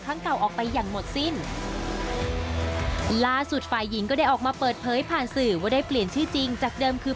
เก่าออกไปอย่างหมดสิ้นล่าสุดฝ่ายหญิงก็ได้ออกมาเปิดเผยผ่านสื่อว่าได้เปลี่ยนชื่อจริงจากเดิมคือ